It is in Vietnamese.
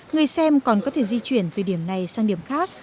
người xem còn có thể di chuyển từ điểm này sang điểm khác